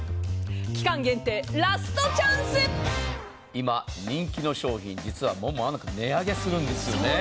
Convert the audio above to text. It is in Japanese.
今、人気の商品、実は値上げするんですよね。